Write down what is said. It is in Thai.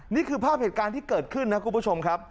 นี่คือภาพเหตุการณ์ที่เกิดขึ้นนะคุณผู้ชมครับ